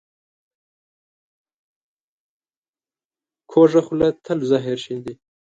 کوږه خوله تل زهر شیندي